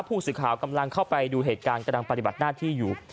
ผู้สื่อข่าวกำลังเข้าไปดูเหตุการณ์กำลังปฏิบัติหน้าที่อยู่